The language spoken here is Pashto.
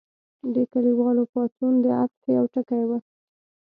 د کلیوالو پاڅون د عطف یو ټکی و.